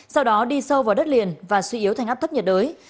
sau đó đi sâu vào đất liền và suy yếu thành áp thấp nhiệt đới